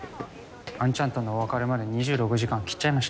杏ちゃんとのお別れまで２６時間切っちゃいました。